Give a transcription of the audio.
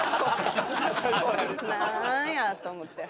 なんやと思って。